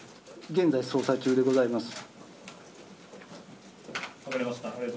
現在捜査中でございます。